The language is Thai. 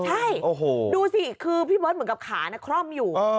ใช่ดูสิคือพี่เบิร์ตเหมือนกับขานคร่อมอยู่